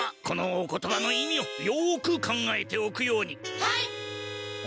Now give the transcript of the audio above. このお言葉の意味をよく考えておくように。